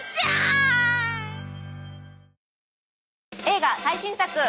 映画最新作。